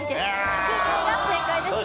白鯨が正解でした。